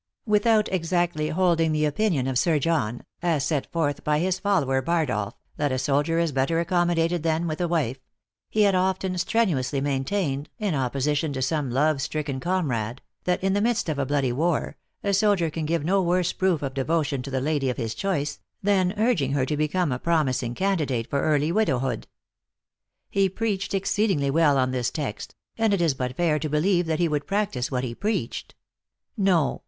Without ex actly holding the opinion of Sir John, as set forth by his follower, Bardolph, that a soldier is better accom THE ACTBESS IN HIGH LIFE. 87 modated than with a wife he had often strenuously maintained, in opposition to some love stricken com rade, that, in the midst of a bloody war, a soldier can give no worse proof of devotion to the lady of his choice, than urging her to become a promising candi date for early widowhood. He preached exceedingly well on this text, and it is but fair to believe that he would practice what he preached. No